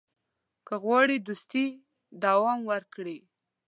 که غواړې دوستي دوام وکړي.